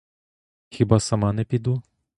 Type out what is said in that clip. Хіба сама не піду?